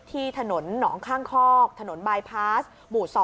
ที่ถนนหนองข้างคอกถนนบายพาสหมู่๒